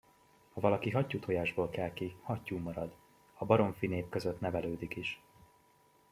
Ha valaki hattyútojásból kel ki, hattyú marad, ha baromfinép között nevelődik is!